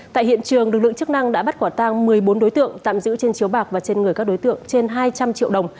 tại hiện trường lực lượng chức năng đã bắt quả tang một mươi bốn đối tượng tạm giữ trên chiếu bạc và trên người các đối tượng trên hai trăm linh triệu đồng